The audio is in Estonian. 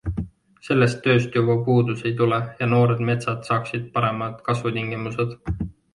Sellest tööst juba puudus ei tule ja noored metsad saaksid paremad kasvutingimused.